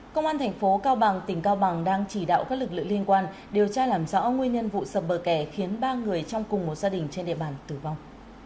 công an thành phố cao bằng tỉnh cao bằng đang chỉ đạo các lực lượng liên quan điều tra làm rõ nguyên nhân vụ sập bờ kè khiến ba người trong cùng một gia đình trên địa bàn tử vong